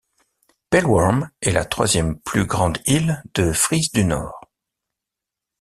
Pellworm est la troisième plus grande île de Frise-du-Nord.